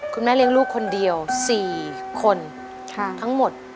เลี้ยงลูกคนเดียว๔คนทั้งหมด